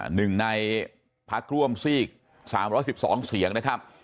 หนึ่งในพักร่วมซีก๓๑๒เสียงนะครับ